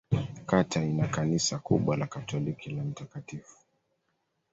Kata ina kanisa kubwa la Katoliki la Mt.